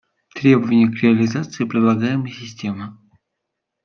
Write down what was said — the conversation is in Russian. Требования к реализации предлагаемой системы